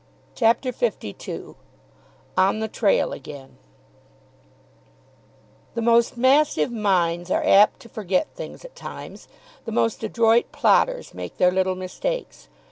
CHAPTER LII ON THE TRAIL AGAIN The most massive minds are apt to forget things at times. The most adroit plotters make their little mistakes.